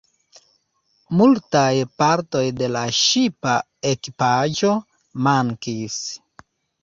Multaj partoj de la ŝipa ekipaĵo mankis.